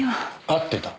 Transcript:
会ってた？